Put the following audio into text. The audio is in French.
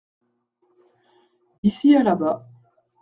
D’ici à là-bas.